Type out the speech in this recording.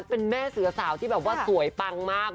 เป็นแม่เสือสาวที่แบบว่าสวยปังมาก